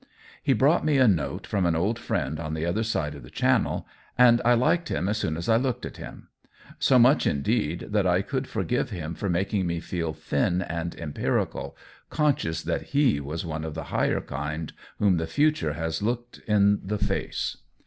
He brought me a note from an old friend on the other side of the Channel, and I liked him as soon as I looked at him ; so much, indeed, that I could for give him for making me feel thin and em pirical, conscious that he was one of the higher kind whom the future has looked in the face.